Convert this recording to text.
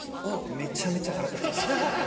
めちゃめちゃ腹立ちます。